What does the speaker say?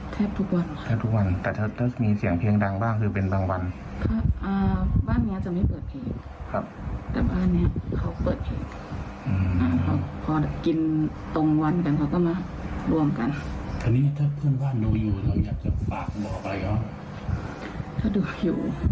ถ้าดูอยู่แค่ต้องการให้เกรงใจกันแค่นั้นค่ะไม่ได้อะไรเลย